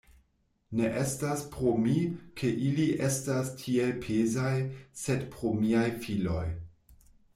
Ne estas pro mi, ke ili estas tiel pezaj, sed pro miaj filoj.